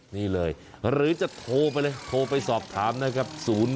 นี่เลยหรือจะโทรไปเลยโทรไปสอบถามนะครับ